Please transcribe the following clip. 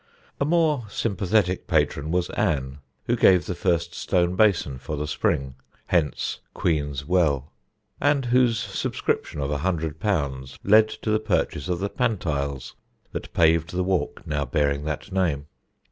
A more sympathetic patron was Anne, who gave the first stone basin for the spring hence "Queen's Well" and whose subscription of _£_100 led to the purchase of the pantiles that paved the walk now bearing that name.